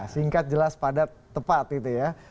singkat jelas padat tepat itu ya